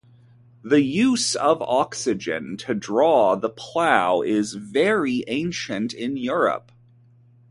The use of oxen to draw the plough is very ancient in Europe.